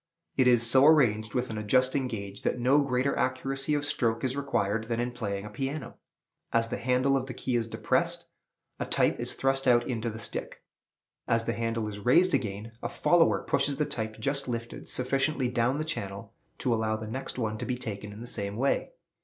It is so arranged with an adjusting gauge that no greater accuracy of stroke is required than in playing a piano. As the handle of the key is depressed, a type is thrust out into the stick. As the handle is raised again, a "follower" pushes the type just lifted sufficiently down the channel to allow the next one to be taken in the same way.